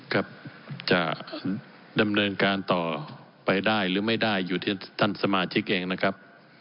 ครับจะดำเนินการต่อไปได้หรือไม่ได้อยู่ที่ท่านสมาชิกเองนะครับ